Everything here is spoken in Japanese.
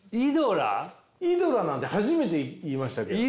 「イドラ」なんて初めて言いましたけど。